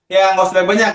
ya nggak usah banyak